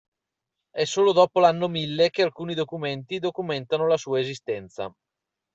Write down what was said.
È solo dopo l'anno Mille che alcuni documenti documentano la sua esistenza.